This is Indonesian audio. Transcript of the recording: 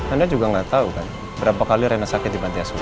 anda juga tidak tahu kan berapa kali reina sakit di bantiasuan